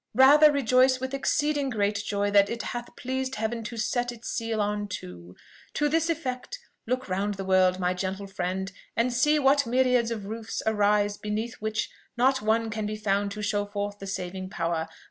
Rather rejoice with exceeding great joy that it hath pleased Heaven to set its seal on two. To this effect, look round the world, my gentle friend, and see what myriads of roofs arise beneath which not one can be found to show forth the saving power.